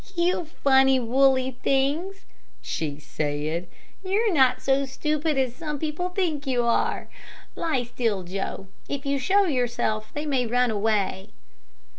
"You funny, woolly things," she said; "You're not so stupid as some people think you are. Lie still, Joe. If you show yourself, they may run away."